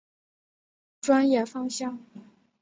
专业方向。